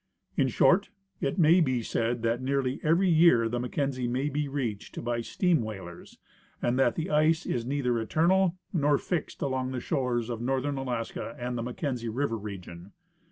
In short, it may' be said that nearly every year the Mackenzie may be reached by steam whalers, and that the ice is neither eternal nor fixed along the shores of northern Alaska and the Mackenzie River region.